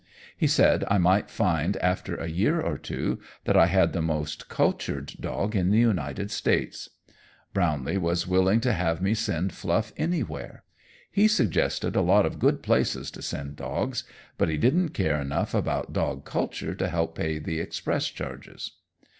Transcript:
He said I might find after a year or two that I had the most cultured dog in the United States. Brownlee was willing to have me send Fluff anywhere. He suggested a lot of good places to send dogs, but he didn't care enough about dog culture to help pay the express charges."